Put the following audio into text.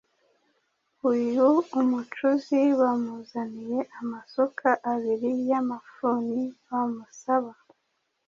Uyu umucuzi bamuzaniye amasuka abiri y’amafuni bamusaba